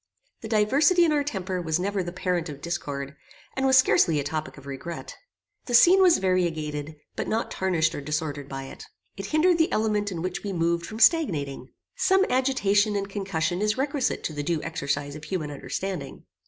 The diversity in our temper was never the parent of discord, and was scarcely a topic of regret. The scene was variegated, but not tarnished or disordered by it. It hindered the element in which we moved from stagnating. Some agitation and concussion is requisite to the due exercise of human understanding.